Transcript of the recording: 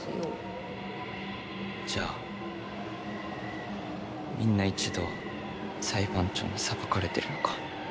じゃあみんな一度は裁判長に裁かれてるのか。